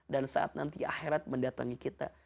dan saat nanti akhirat mendatangi kita